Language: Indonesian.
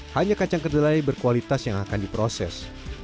hanya kacang kedelai berkualitas yang akan diproses